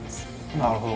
なるほど。